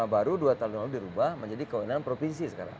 baru dua tahun lalu dirubah menjadi kewenangan provinsi sekarang